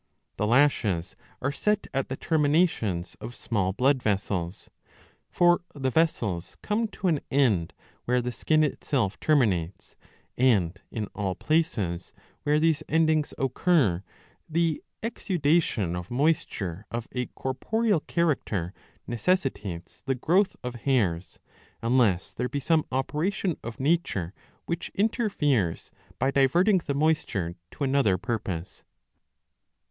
The lashes are set at the terminations of small blood vessels. For the vessels come to an end where the skin itself terminates ; and, in all places where these endings occur, the exudation of moisture of a corporeal character necessitates the growth of hairs,* unless there be some operation of nature which interferes, by diverting the moisture to another purpose.